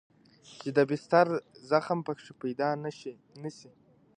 چې د بستر زخم پکښې پيدا نه سي.